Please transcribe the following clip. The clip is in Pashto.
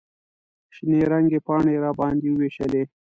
شنې رنګې پاڼې یې راباندې ووېشلې.